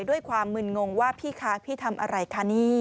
ด้วยความมึนงงว่าพี่คะพี่ทำอะไรคะนี่